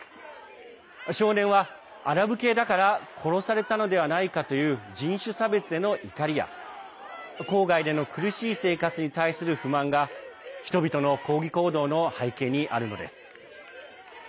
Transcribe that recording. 少年はアラブ系だから殺されたのではないかという人種差別への怒りや郊外での苦しい生活に対する不満が人々の抗議行動の背景にあるのです。